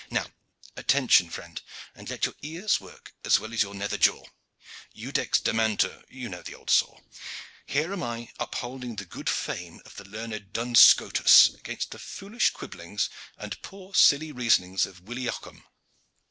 Now, attention, friend, and let your ears work as well as your nether jaw. Judex damnatur you know the old saw. Here am I upholding the good fame of the learned Duns Scotus against the foolish quibblings and poor silly reasonings of Willie Ockham."